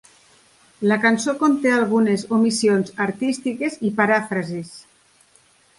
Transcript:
La cançó conté algunes omissions artístiques i paràfrasis.